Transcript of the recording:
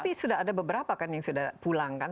tapi sudah ada beberapa kan yang sudah pulang kan